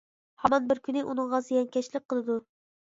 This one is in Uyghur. ھامان بىر كۈنى ئۇنىڭغا زىيانكەشلىك قىلىدۇ.